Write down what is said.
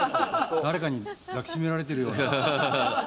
誰かに抱きしめられているような。